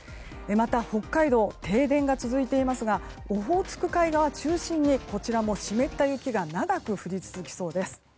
また、北海道停電が続いていますがオホーツク海側を中心にこちらも湿った雪が長く降り続きそうです。